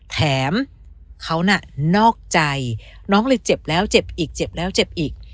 แถมเขาน่ะนอกใจน้องเลยเจ็บแล้วเจ็บอีกเจ็บแล้วเจ็บอีก